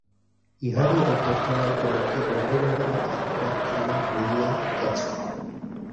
ইহারই অভ্যর্থনা উপলক্ষে বন্ধুমহলে একটা খানা হইয়া গেছে।